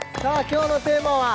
今日のテーマは？